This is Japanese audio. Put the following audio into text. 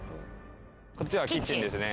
こっちはキッチンですね。